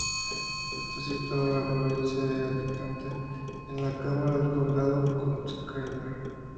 Está situado en la provincia de Alicante, en la comarca del Condado de Cocentaina.